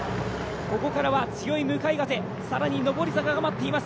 ここからは強い向かい風、更に上り坂が待っています。